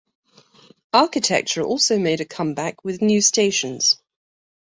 Architecture also made a comeback with new stations.